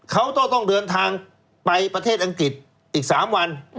เขาก็ต้องเดินทางไปประเทศอังกฤษอีก๓วัน